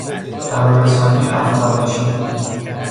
ترارسانی افگانشی